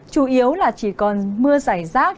chủ yếu là chỉ còn mưa rải rác